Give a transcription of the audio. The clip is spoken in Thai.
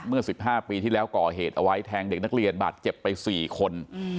เมื่อ๑๕ปีที่แล้วก่อเหตุเอาไว้แทงเด็กนักเรียนบาดเจ็บไป๔คน